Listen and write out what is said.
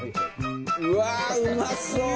うわうまそう！